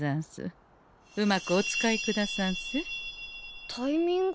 うまくお使いくださんせ。タイミング？